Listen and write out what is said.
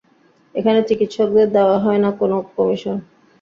এখানে চিকিৎসকদেরও দেওয়া হয় না কোনো কমিশন।